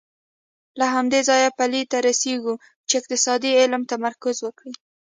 له همدې ځایه پایلې ته رسېږو چې اقتصاد علم تمرکز وکړي.